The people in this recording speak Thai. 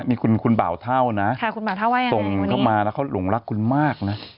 นี่คุณบ่าวเท่านะส่งเข้ามาแล้วเขาหลงรักคุณมากนะ